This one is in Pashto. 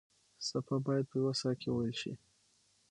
څپه باید په یوه ساه کې وېل شي.